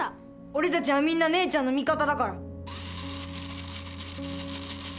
俺たちはみんな姉ちゃんの味方だから。